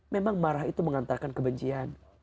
memang marah itu mengantarkan kebencian